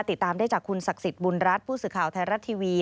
ติดตามได้จากคุณศักดิ์สิทธิ์บุญรัฐผู้สื่อข่าวไทยรัฐทีวี